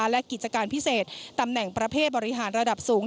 และกิจการพิเศษตำแหน่งประเภทบริหารระดับสูง